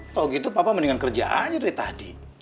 toh gitu papa mendingan kerja aja dari tadi